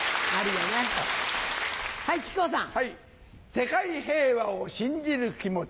世界平和を信じる気持ち